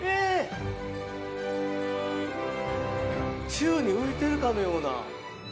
宙に浮いているかのような。